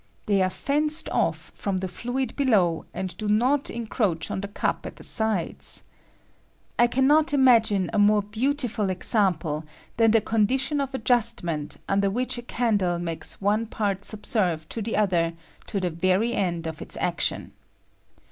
They are fenced off from the fluid below, and do not encroach on the cup at the sides. I can not imagine a more beautiful example than the condition of adjustment under which a candle makes one part subserve to the other to the very end of its action.